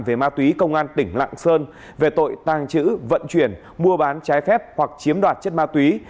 về ma túy công an tỉnh lạng sơn về tội tàng trữ vận chuyển mua bán trái phép hoặc chiếm đoạt chất ma túy